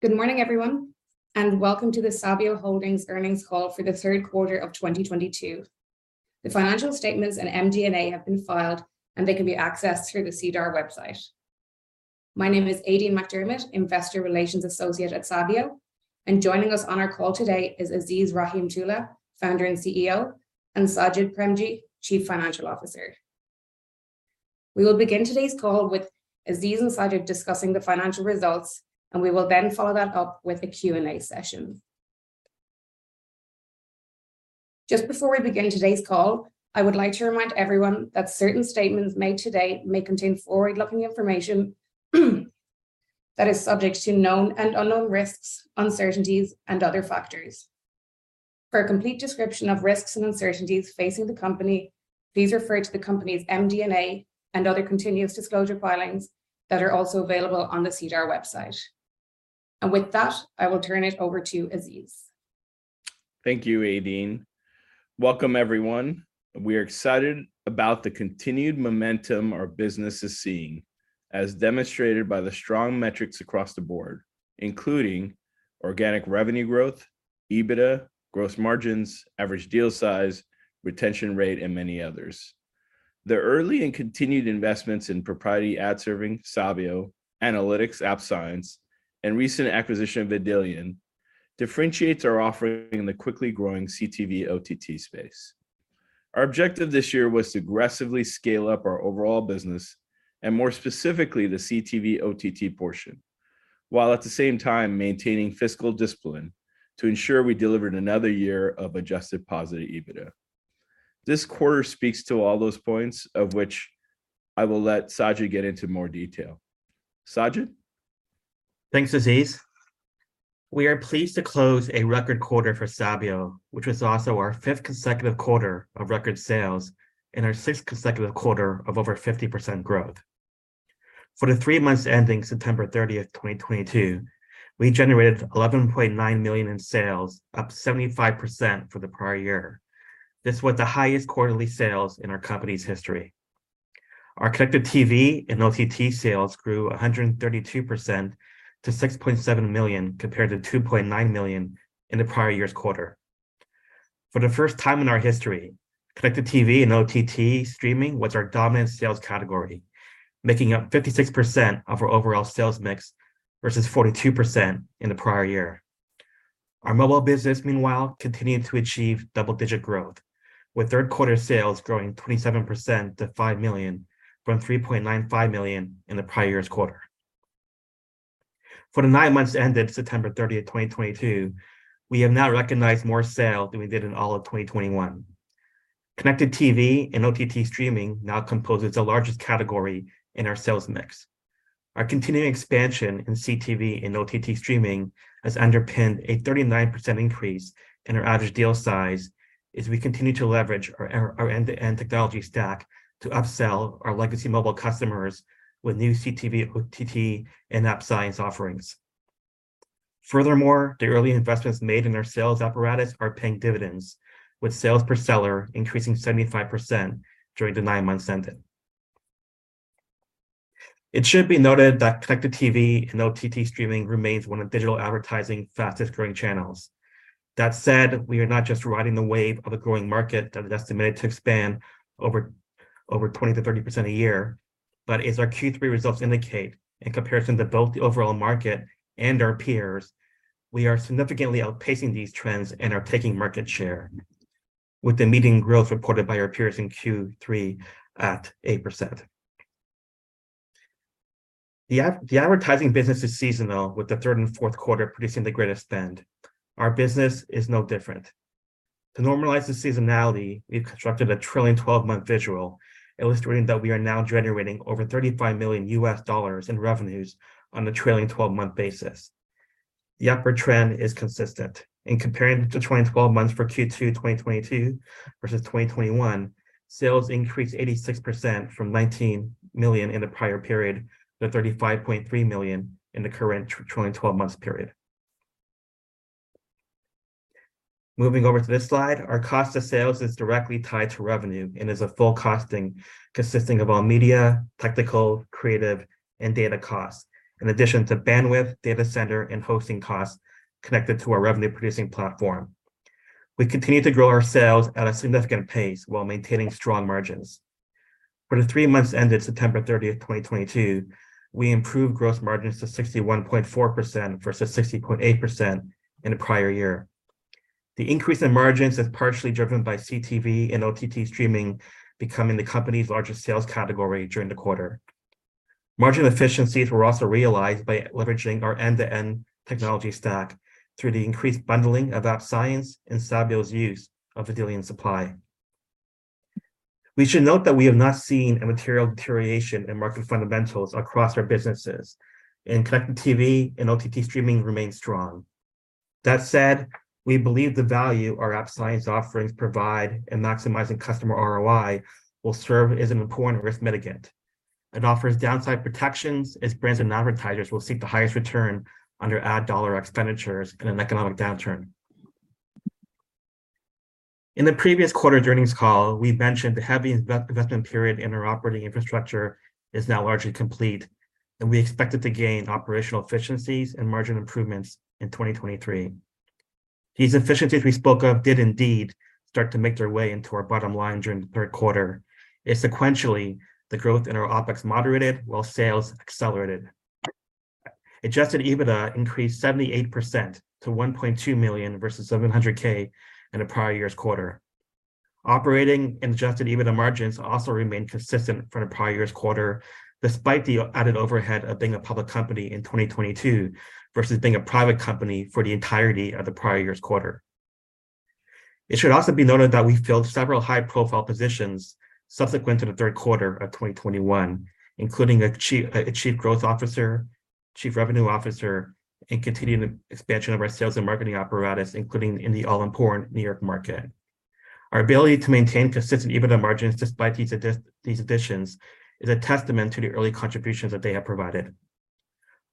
Good morning, everyone. Welcome to the Sabio Holdings earnings call for the 3rd quarter of 2022. The financial statements and MD&A have been filed. They can be accessed through the SEDAR website. My name is Aideen McDermott, Investor Relations Associate at Sabio. Joining us on our call today is Aziz Rahimtoola, Founder and CEO, and Sajid Premji, Chief Financial Officer. We will begin today's call with Aziz and Sajid discussing the financial results. We will then follow that up with a Q&A session. Just before we begin today's call, I would like to remind everyone that certain statements made today may contain forward-looking information that is subject to known and unknown risks, uncertainties and other factors. For a complete description of risks and uncertainties facing the company, please refer to the company's MD&A and other continuous disclosure filings that are also available on the SEDAR website. With that, I will turn it over to Aziz. Thank you, Aideen. Welcome, everyone. We are excited about the continued momentum our business is seeing, as demonstrated by the strong metrics across the board, including organic revenue growth, EBITDA, growth margins, average deal size, retention rate, and many others. The early and continued investments in proprietary ad serving, Sabio, analytics, App Science, and recent acquisition of Vidillion differentiates our offering in the quickly growing CTV/OTT space. Our objective this year was to aggressively scale up our overall business and more specifically the CTV/OTT portion, while at the same time maintaining fiscal discipline to ensure we delivered another year of adjusted positive EBITDA. This quarter speaks to all those points, of which I will let Sajid get into more detail. Sajid? Thanks, Aziz. We are pleased to close a record quarter for Sabio, which was also our fifth consecutive quarter of record sales and our sixth consecutive quarter of over 50% growth. For the three months ending September 30th, 2022, we generated $11.9 million in sales, up 75% for the prior year. This was the highest quarterly sales in our company's history. Our connected TV and OTT sales grew 132% to $6.7 million, compared to $2.9 million in the prior year's quarter. For the first time in our history, connected TV and OTT streaming was our dominant sales category, making up 56% of our overall sales mix versus 42% in the prior year. Our mobile business, meanwhile, continued to achieve double-digit growth, with third quarter sales growing 27% to $5 million from $3.95 million in the prior year's quarter. For the nine months ended September 30th, 2022, we have now recognized more sales than we did in all of 2021. CTV and OTT streaming now composes the largest category in our sales mix. Our continuing expansion in CTV and OTT streaming has underpinned a 39% increase in our average deal size as we continue to leverage our end-to-end technology stack to upsell our legacy mobile customers with new CTV, OTT and App Science offerings. The early investments made in our sales apparatus are paying dividends, with sales per seller increasing 75% during the nine months ended. It should be noted that connected TV and OTT streaming remains one of digital advertising fastest growing channels. That said, we are not just riding the wave of a growing market that is estimated to expand over 20% to 30% a year. As our Q3 results indicate, in comparison to both the overall market and our peers, we are significantly outpacing these trends and are taking market share with the median growth reported by our peers in Q3 at 8%. The advertising business is seasonal, with the third and fourth quarter producing the greatest spend. Our business is no different. To normalize the seasonality, we've constructed a trailing twelve-month visual illustrating that we are now generating over $35 million in revenues on a trailing twelve-month basis. The upward trend is consistent. In comparing the trailing 12 months for Q2 2022 versus 2021, sales increased 86% from $19 million in the prior period to $35.3 million in the current trailing 12 months period. Moving over to this slide, our cost of sales is directly tied to revenue and is a full costing consisting of all media, technical, creative, and data costs, in addition to bandwidth, data center, and hosting costs connected to our revenue-producing platform. We continue to grow our sales at a significant pace while maintaining strong margins. For the three months ended September 30, 2022, we improved gross margins to 61.4% versus 60.8% in the prior year. The increase in margins is partially driven by CTV and OTT streaming becoming the company's largest sales category during the quarter. Margin efficiencies were also realized by leveraging our end-to-end technology stack through the increased bundling of App Science and Sabio's use of Vidillion Supply. We should note that we have not seen a material deterioration in market fundamentals across our businesses, and CTV and OTT streaming remains strong. That said, we believe the value our App Science offerings provide in maximizing customer ROI will serve as an important risk mitigant. It offers downside protections as brands and advertisers will seek the highest return under ad dollar expenditures in an economic downturn. In the previous quarter earnings call, we mentioned the heavy in-investment period in our operating infrastructure is now largely complete, and we expected to gain operational efficiencies and margin improvements in 2023. These efficiencies we spoke of did indeed start to make their way into our bottom line during the third quarter. Sequentially, the growth in our OpEx moderated while sales accelerated. Adjusted EBITDA increased 78% to 1.2 million versus 700K in the prior year's quarter. Operating and adjusted EBITDA margins also remained consistent from the prior year's quarter despite the added overhead of being a public company in 2022 versus being a private company for the entirety of the prior year's quarter. It should also be noted that we filled several high-profile positions subsequent to the third quarter of 2021, including a chief growth officer, chief revenue officer, and continuing the expansion of our sales and marketing apparatus, including in the all-important New York market. Our ability to maintain consistent EBITDA margins despite these additions is a testament to the early contributions that they have provided.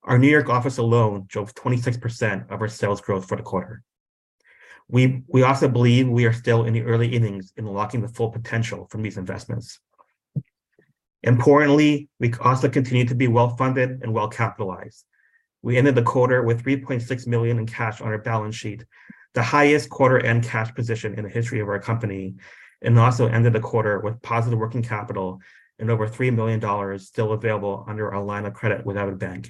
Our New York office alone drove 26% of our sales growth for the quarter. We also believe we are still in the early innings in unlocking the full potential from these investments. Importantly, we also continue to be well-funded and well-capitalized. We ended the quarter with 3.6 million in cash on our balance sheet, the highest quarter-end cash position in the history of our company, and also ended the quarter with positive working capital and over 3 million dollars still available under our line of credit with Avidbank.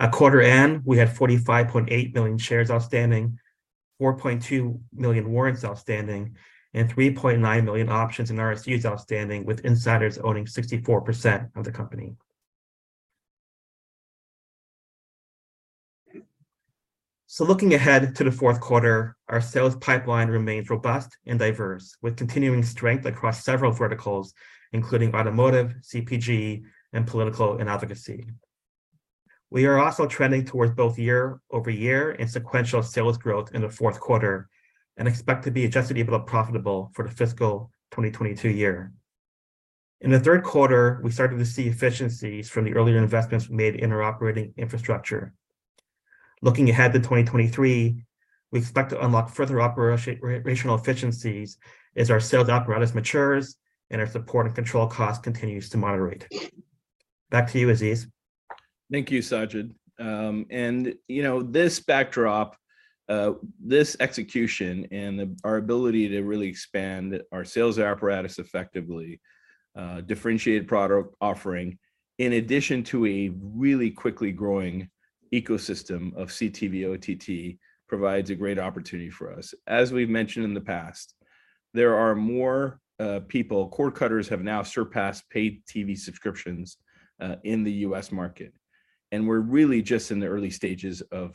At quarter end, we had 45.8 million shares outstanding, 4.2 million warrants outstanding, and 3.9 million options and RSUs outstanding, with insiders owning 64% of the company. Looking ahead to the fourth quarter, our sales pipeline remains robust and diverse, with continuing strength across several verticals, including automotive, CPG, and political and advocacy. We are also trending towards both year-over-year and sequential sales growth in the fourth quarter and expect to be adjusted EBITDA profitable for the fiscal 2022 year. In the third quarter, we started to see efficiencies from the earlier investments made in our operating infrastructure. Looking ahead to 2023, we expect to unlock further operational efficiencies as our sales apparatus matures and our support and control cost continues to moderate. Back to you, Aziz. Thank you, Sajid. You know, this backdrop, this execution and our ability to really expand our sales apparatus effectively, differentiated product offering, in addition to a really quickly growing ecosystem of CTV OTT provides a great opportunity for us. As we've mentioned in the past, there are more people, cord cutters have now surpassed paid TV subscriptions in the U.S. Market, and we're really just in the early stages of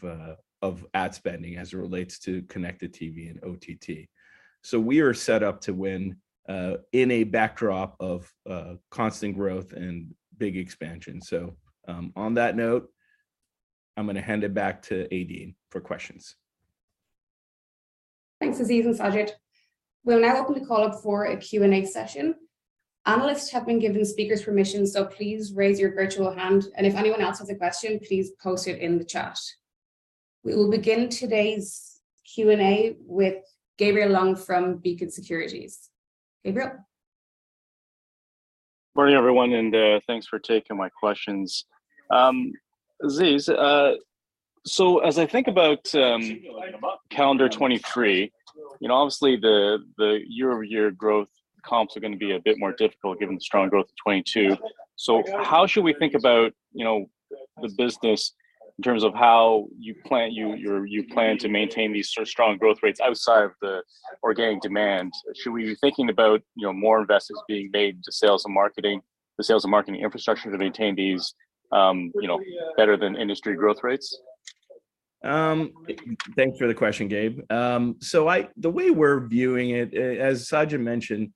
ad spending as it relates to connected TV and OTT. We are set up to win in a backdrop of constant growth and big expansion. On that note, I'm gonna hand it back to Aideen for questions. Thanks, Aziz and Sajid. We'll now open the call up for a Q&A session. Analysts have been given speakers' permission, so please raise your virtual hand, and if anyone else has a question, please post it in the chat. We will begin today's Q&A with Gabriel Leung from Beacon Securities. Gabriel. Morning, everyone, thanks for taking my questions. Aziz, as I think about calendar 2023, you know, obviously the year-over-year growth comps are gonna be a bit more difficult given the strong growth of 2022. How should we think about, you know, the business in terms of how you plan to maintain these strong growth rates outside of the organic demand? Should we be thinking about, you know, more investments being made to sales and marketing, the sales and marketing infrastructure to maintain these, you know, better than industry growth rates? Thank you for the question, Gabe. The way we're viewing it, as Sajid mentioned,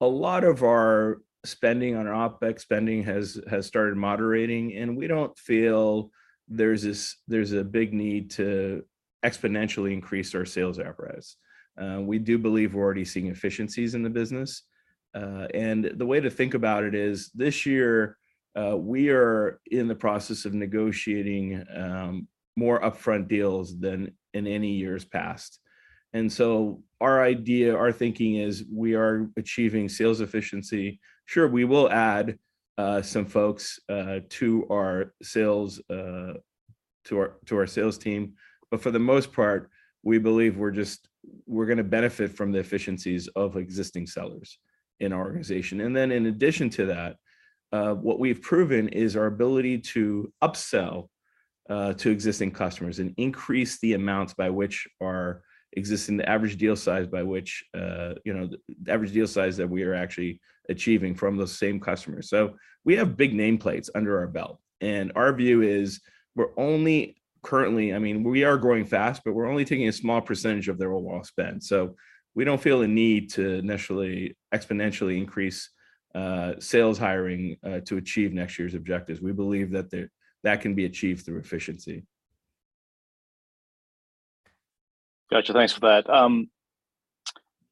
a lot of our spending on our OpEx spending has started moderating, and we don't feel there's a big need to exponentially increase our sales apparatus. We do believe we're already seeing efficiencies in the business. The way to think about it is, this year, we are in the process of negotiating more upfront deals than in any years past. Our idea, our thinking is we are achieving sales efficiency. Sure, we will add some folks to our sales team, but for the most part, we believe we're gonna benefit from the efficiencies of existing sellers in our organization. In addition to that, what we've proven is our ability to upsell to existing customers and increase the amounts by which our existing average deal size by which, you know, the average deal size that we are actually achieving from those same customers. We have big nameplates under our belt, and our view is we're only currently... I mean, we are growing fast, but we're only taking a small percentage of their overall spend. We don't feel the need to initially exponentially increase sales hiring to achieve next year's objectives. We believe that can be achieved through efficiency. Gotcha. Thanks for that.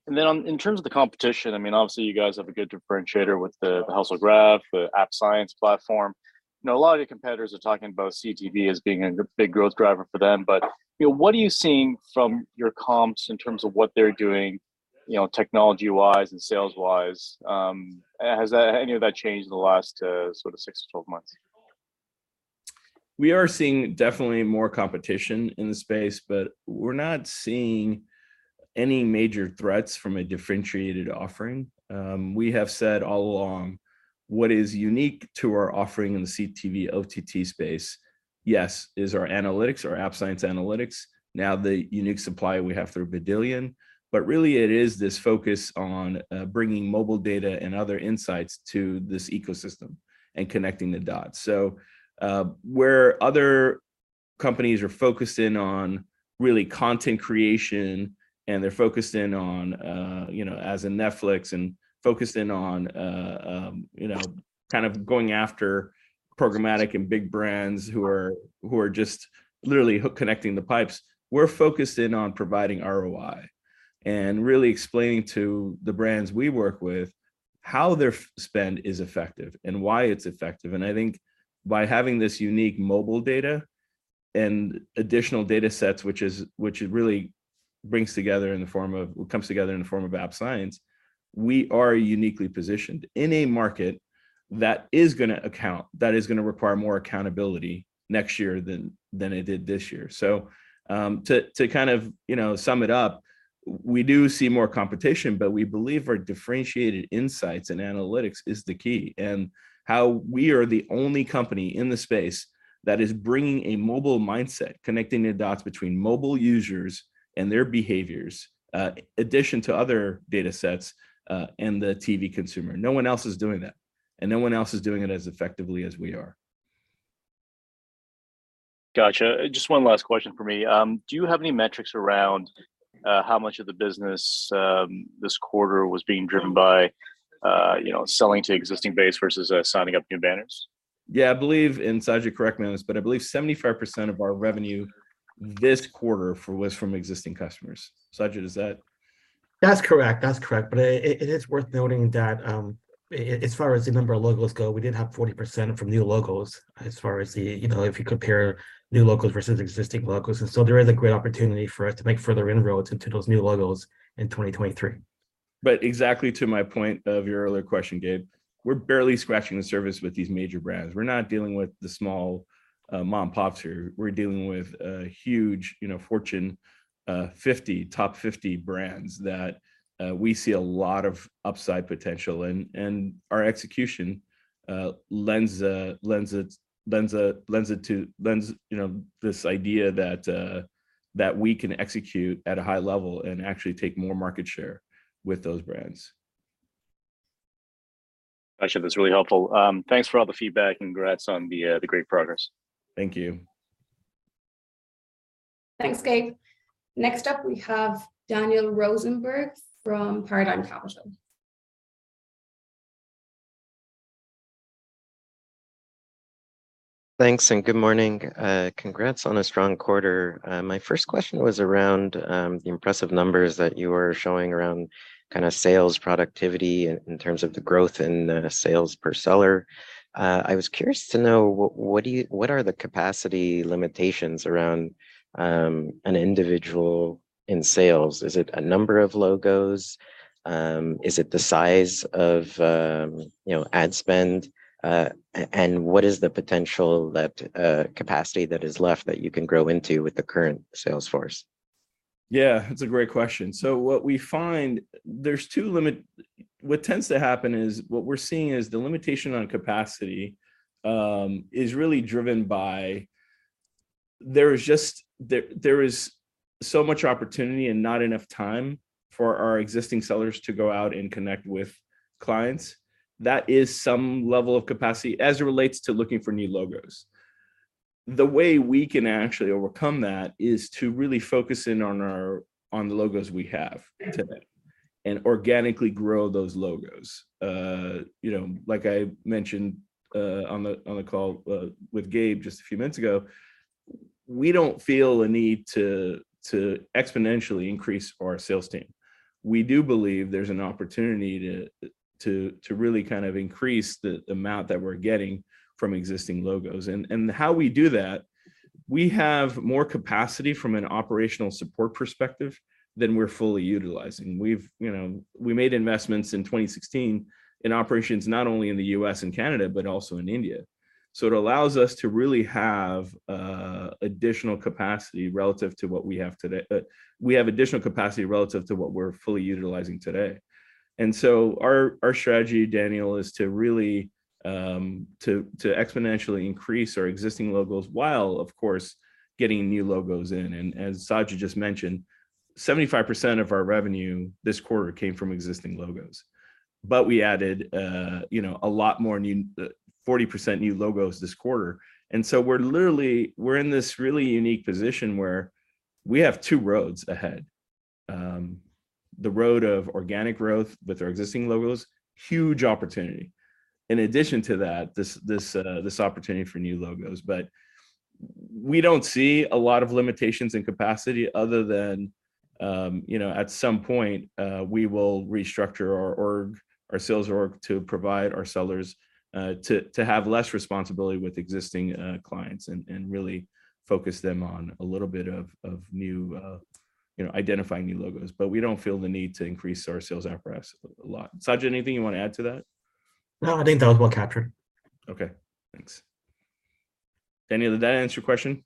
In terms of the competition, I mean, obviously you guys have a good differentiator with the Household Graph, the App Science platform. I know a lot of your competitors are talking about CTV as being a big growth driver for them. You know, what are you seeing from your comps in terms of what they're doing, you know, technology-wise and sales-wise? Has that, any of that changed in the last six months-12 months? We are seeing definitely more competition in the space, but we're not seeing any major threats from a differentiated offering. We have said all along what is unique to our offering in the CTV OTT space, yes, is our analytics, our App Science analytics. The unique supply we have through Vidillion, but really it is this focus on bringing mobile data and other insights to this ecosystem and connecting the dots. Where other companies are focused in on really content creation and they're focused in on, you know, as in Netflix, and focused in on, you know, kind of going after programmatic and big brands who are just literally hook connecting the pipes. We're focused in on providing ROI and really explaining to the brands we work with how their spend is effective and why it's effective. I think by having this unique mobile data and additional data sets, which it really brings together in the form of, well, comes together in the form of App Science, we are uniquely positioned in a market that is gonna account, that is gonna require more accountability next year than it did this year. To kind of, you know, sum it up, we do see more competition, but we believe our differentiated insights and analytics is the key, and how we are the only company in the space that is bringing a mobile mindset, connecting the dots between mobile users and their behaviors, addition to other data sets, and the TV consumer. No one else is doing that, and no one else is doing it as effectively as we are. Gotcha. Just one last question from me. Do you have any metrics around how much of the business this quarter was being driven by, you know, selling to existing base versus signing up new banners? Yeah. I believe, and Sajid correct me on this, but I believe 75% of our revenue this quarter was from existing customers. Sajid, is that- That's correct. That's correct. It is worth noting that, as far as the number of logos go, we did have 40% from new logos as far as the, you know, if you compare new logos versus existing logos. There is a great opportunity for us to make further inroads into those new logos in 2023. Exactly to my point of your earlier question, Gabe, we're barely scratching the surface with these major brands. We're not dealing with the small, mom pops here. We're dealing with, huge, you know, Fortune 50, top 50 brands that, we see a lot of upside potential and, our execution lends it to, you know, this idea that we can execute at a high level and actually take more market share with those brands. Gotcha. That's really helpful. Thanks for all the feedback, and congrats on the great progress. Thank you. Thanks, Gabe. Next up we have Daniel Rosenberg from Paradigm Capital. Thanks and good morning. Congrats on a strong quarter. My first question was around the impressive numbers that you are showing around kinda sales productivity in terms of the growth in the sales per seller. I was curious to know what do you, what are the capacity limitations around an individual in sales? Is it a number of logos? Is it the size of, you know, ad spend? What is the potential that capacity that is left that you can grow into with the current sales force? That's a great question. What tends to happen is, what we're seeing is the limitation on capacity is really driven by, there is just so much opportunity and not enough time for our existing sellers to go out and connect with clients. That is some level of capacity as it relates to looking for new logos. The way we can actually overcome that is to really focus in on our, on the logos we have today, and organically grow those logos. You know, like I mentioned on the call with Gabe just a few minutes ago, we don't feel a need to exponentially increase our sales team. We do believe there's an opportunity to really kind of increase the amount that we're getting from existing logos. How we do that, we have more capacity from an operational support perspective than we're fully utilizing. We've, you know, we made investments in 2016 in operations not only in the U.S. and Canada, but also in India. It allows us to really have additional capacity relative to what we have today. We have additional capacity relative to what we're fully utilizing today. Our strategy, Daniel, is to really to exponentially increase our existing logos while of course getting new logos in. As Sajid just mentioned, 75% of our revenue this quarter came from existing logos, but we added, you know, a lot more new 40% new logos this quarter. We're literally, we're in this really unique position where we have two roads ahead, the road of organic growth with our existing logos, huge opportunity, in addition to that, this opportunity for new logos. We don't see a lot of limitations in capacity other than, you know, at some point, we will restructure our sales org to provide our sellers, to have less responsibility with existing clients and really focus them on a little bit of new, you know, identifying new logos. We don't feel the need to increase our sales apparatus a lot. Sajid, anything you wanna add to that? No, I think that was well captured. Okay, thanks. Daniel, did that answer your question?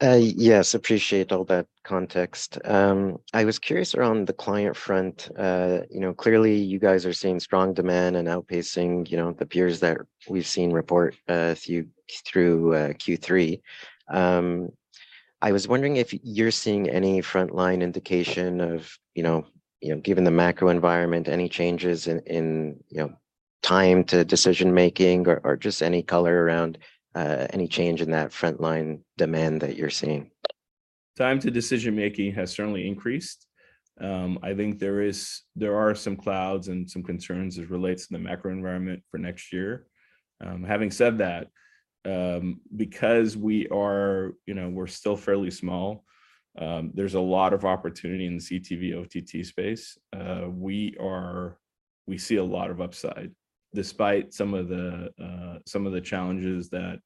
Yes, appreciate all that context. I was curious around the client front. You know, clearly you guys are seeing strong demand and outpacing, you know, the peers that we've seen report through Q3. I was wondering if you're seeing any frontline indication of, you know, you know, given the macro environment, any changes in, you know, time to decision-making or just any color around any change in that frontline demand that you're seeing? Time to decision-making has certainly increased. I think there are some clouds and some concerns as relates to the macro environment for next year. Having said that, because we are, you know, we're still fairly small, there's a lot of opportunity in the CTV/OTT space. We are, we see a lot of upside despite some of the, some of the challenges that,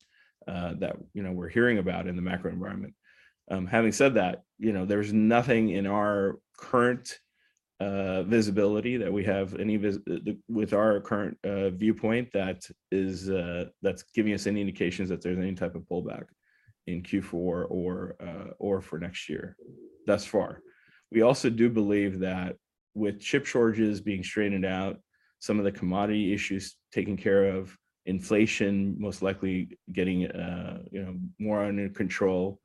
you know, we're hearing about in the macro environment. Having said that, you know, there's nothing in our current visibility that we have any with our current viewpoint that is, that's giving us any indications that there's any type of pullback in Q4 or for next year thus far. We also do believe that with chip shortages being straightened out, some of the commodity issues taken care of, inflation most likely getting, you know, more under control,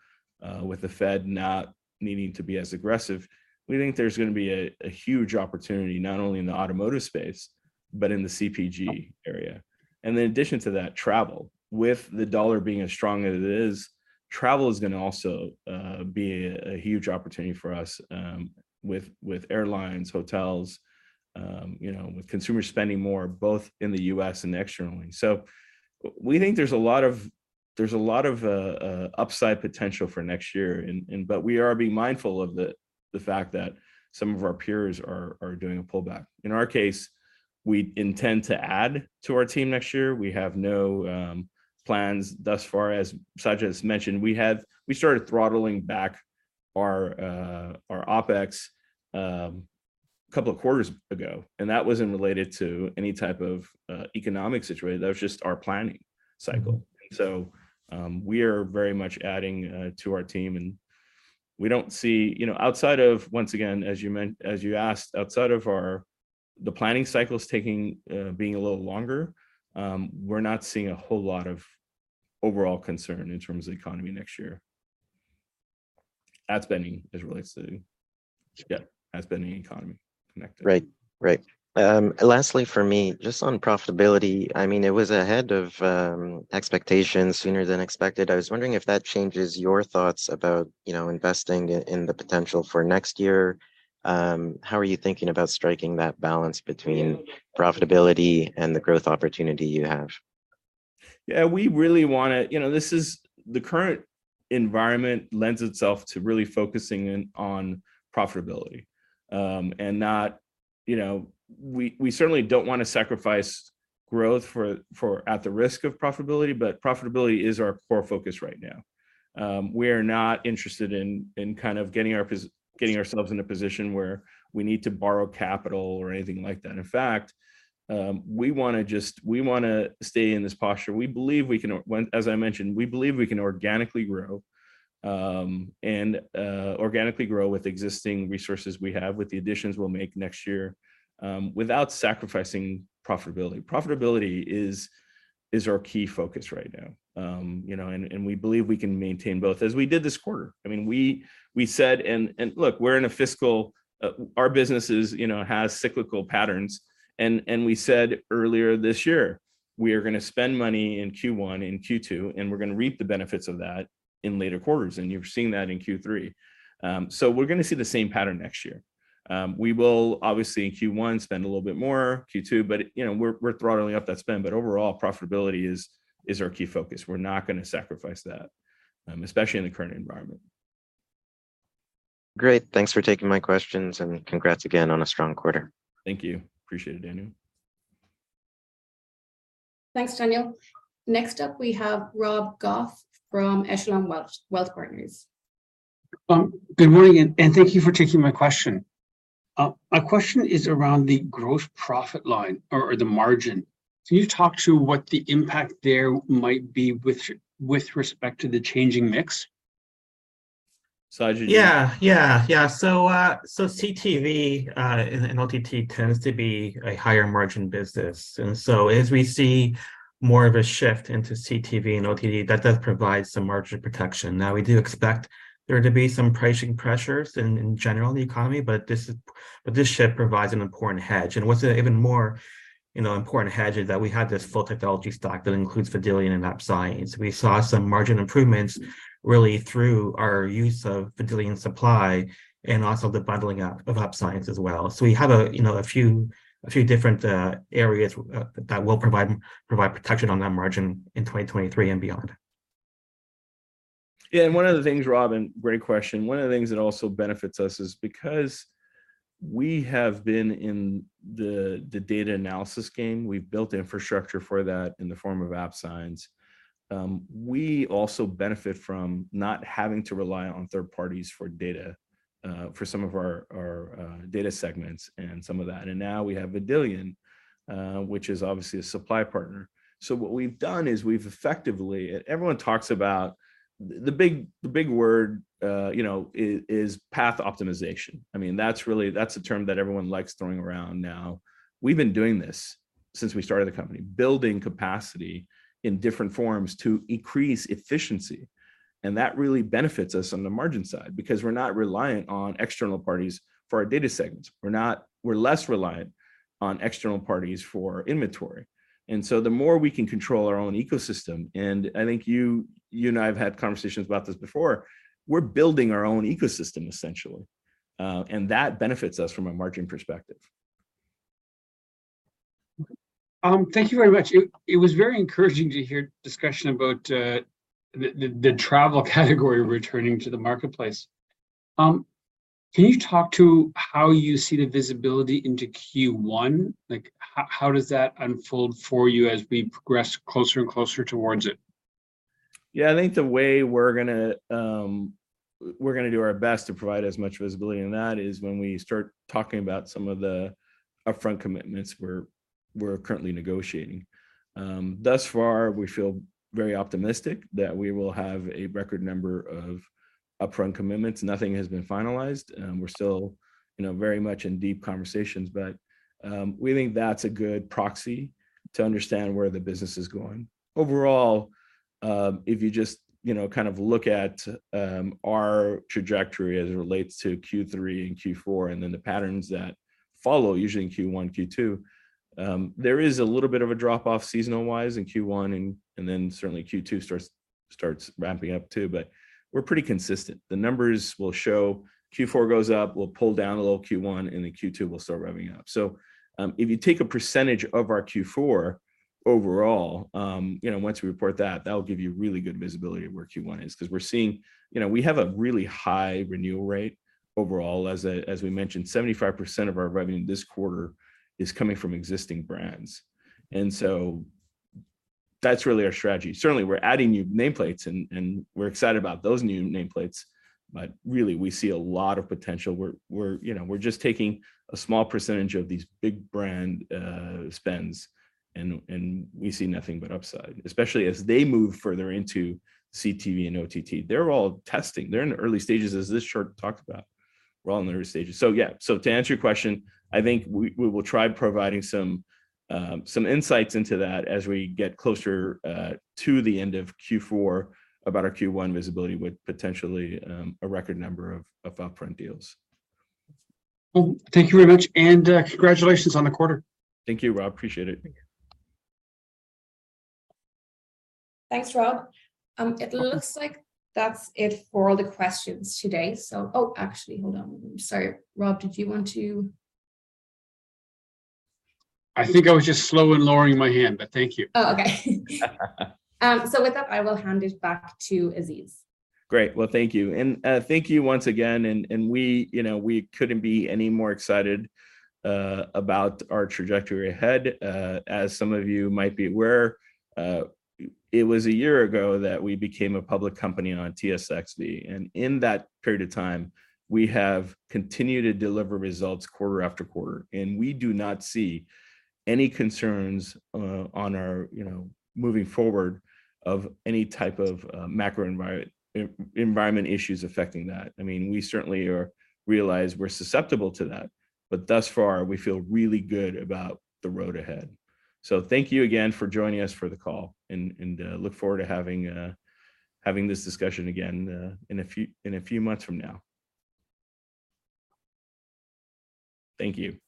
with the Fed not needing to be as aggressive, we think there's gonna be a huge opportunity not only in the automotive space, but in the CPG area. In addition to that, travel. With the dollar being as strong as it is, travel is gonna also be a huge opportunity for us, with airlines, hotels, you know, with consumer spending more both in the U.S. and externally. We think there's a lot of upside potential for next year, but we are being mindful of the fact that some of our peers are doing a pullback. In our case, we intend to add to our team next year. We have no plans thus far. As Sajid's mentioned, we started throttling back our OpEx couple of quarters ago, and that wasn't related to any type of economic situation. That was just our planning cycle. We are very much adding to our team and we don't see, you know, outside of, once again, as you asked, outside of our, the planning cycles taking being a little longer, we're not seeing a whole lot of overall concern in terms of the economy next year. Ad spending as it relates to, yeah, ad spending and economy connected. Right. Right. Lastly for me, just on profitability, I mean, it was ahead of expectations, sooner than expected. I was wondering if that changes your thoughts about, you know, investing in the potential for next year. How are you thinking about striking that balance between profitability and the growth opportunity you have? Yeah. We really wanna. You know, this is, the current environment lends itself to really focusing in on profitability. You know, we certainly don't wanna sacrifice growth for, at the risk of profitability, but profitability is our core focus right now. We are not interested in kind of getting ourselves in a position where we need to borrow capital or anything like that. In fact, we wanna just, we wanna stay in this posture. We believe we can, as I mentioned, we believe we can organically grow, and organically grow with existing resources we have with the additions we'll make next year, without sacrificing profitability. Profitability is our key focus right now. You know, and we believe we can maintain both, as we did this quarter. I mean, we said... And look, we're in a fiscal, our business, you know, has cyclical patterns, and we said earlier this year we are going to spend money in Q1 and Q2, and we're going to reap the benefits of that in later quarters, and you're seeing that in Q3. So we're going to see the same pattern next year. We will obviously in Q1 spend a little bit more, Q2, but, you know, we're throttling up that spend. But overall, profitability is our key focus. We're not going to sacrifice that, especially in the current environment. Great. Thanks for taking my questions, and congrats again on a strong quarter. Thank you. Appreciate it, Daniel. Thanks, Daniel. Next up, we have Rob Goff from Echelon Wealth Partners. Good morning and thank you for taking my question. My question is around the gross profit line or the margin. Can you talk to what the impact there might be with respect to the changing mix? Sajid, you- Yeah, yeah. CTV and OTT tends to be a higher margin business. As we see more of a shift into CTV and OTT, that does provide some margin protection. We do expect there to be some pricing pressures in general in the economy, but this shift provides an important hedge. What's a even more, you know, important hedge is that we have this full technology stack that includes Vidillion and App Science. We saw some margin improvements really through our use of Vidillion supply and also the bundling of App Science as well. We have a, you know, a few different areas that will provide protection on that margin in 2023 and beyond. Yeah, one of the things, Rob, and great question, one of the things that also benefits us is because we have been in the data analysis game, we've built infrastructure for that in the form of App Science, we also benefit from not having to rely on third parties for data, for some of our data segments and some of that. Now we have Vidillion, which is obviously a supply partner. What we've done is we've effectively. Everyone talks about the big, big word, you know, is path optimization. I mean, that's really a term that everyone likes throwing around now. We've been doing this since we started the company, building capacity in different forms to increase efficiency, and that really benefits us on the margin side because we're not reliant on external parties for our data segments. We're less reliant on external parties for inventory, and so the more we can control our own ecosystem, and I think you and I have had conversations about this before, we're building our own ecosystem essentially, and that benefits us from a margin perspective. Thank you very much. It was very encouraging to hear discussion about the travel category returning to the marketplace. Can you talk to how you see the visibility into Q1? Like, how does that unfold for you as we progress closer and closer towards it? Yeah. I think the way we're gonna do our best to provide as much visibility in that is when we start talking about some of the upfront commitments we're currently negotiating. Thus far we feel very optimistic that we will have a record number of upfront commitments. Nothing has been finalized, we're still, you know, very much in deep conversations. We think that's a good proxy to understand where the business is going. Overall, if you just, you know, kind of look at, our trajectory as it relates to Q3 and Q4, and then the patterns that follow usually in Q1, Q2, there is a little bit of a drop-off seasonal-wise in Q1, and then certainly Q2 starts ramping up too, but we're pretty consistent. The numbers will show Q4 goes up, we'll pull down a little Q1, and then Q2 will start revving up. If you take a percentage of our Q4 overall, you know, once we report that'll give you really good visibility of where Q1 is. Because we're seeing... You know, we have a really high renewal rate overall. As we mentioned, 75% of our revenue this quarter is coming from existing brands, and so that's really our strategy. Certainly we're adding new nameplates and we're excited about those new nameplates, but really we see a lot of potential. We're, you know, we're just taking a small percentage of these big brand spends and we see nothing but upside, especially as they move further into CTV and OTT. They're all testing. They're in the early stages as this chart talks about. We're all in the early stages. Yeah. To answer your question, I think we will try providing some insights into that as we get closer to the end of Q4 about our Q1 visibility with potentially a record number of upfront deals. Well, thank you very much, and, congratulations on the quarter. Thank you, Rob. Appreciate it. Thanks, Rob. It looks like that's it for all the questions today, so... Oh, actually, hold on. Sorry. Rob, did you want to... I think I was just slow in lowering my hand, but thank you. Oh, okay. With that, I will hand it back to Aziz. Great. Well, thank you. Thank you once again, we, you know, we couldn't be any more excited about our trajectory ahead. As some of you might be aware, it was a year ago that we became a public company on TSXV. In that period of time we have continued to deliver results quarter after quarter. We do not see any concerns on our, you know, moving forward of any type of macro environment issues affecting that. I mean, we certainly realize we're susceptible to that, but thus far we feel really good about the road ahead. Thank you again for joining us for the call, look forward to having this discussion again in a few months from now. Thank you.